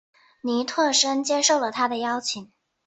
倪柝声接受了他的邀请。